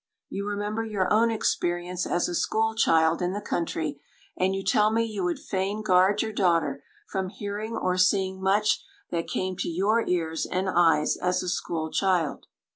You remember your own experience as a school child in the country, and you tell me you would fain guard your daughter from hearing or seeing much that came to your ears and eyes as a school child.